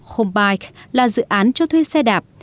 homebike là dự án cho thuê xe đạp